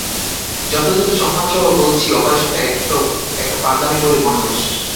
যথাযথ সম্মান সহ বলছি অপারেশনটা একটা পাগলামি বলে মনে হচ্ছে।